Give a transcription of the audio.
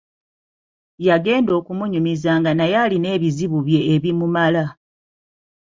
Yagenda okumunyumiza nga naye alina ebizibu bye ebimumala.